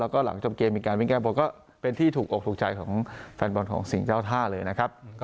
แล้วก็หลังจบเกมมีการวิ่งแก้บนก็เป็นที่ถูกอกถูกใจของแฟนบอลของสิ่งเจ้าท่าเลยนะครับ